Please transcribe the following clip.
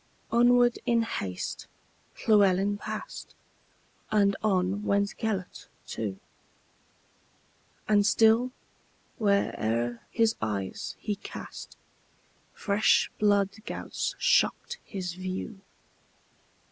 Onward, in haste, Llewelyn passed, And on went Gêlert too; And still, where'er his eyes he cast, Fresh blood gouts shocked his view.